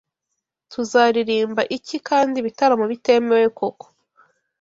Tuzaririmba iki kandi ibitaramo biteweme koko?